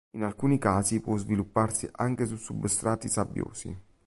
In alcuni casi può svilupparsi anche su substrati sabbiosi.